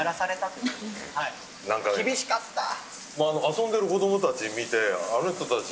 遊んでる子供たちを見てあの人たち。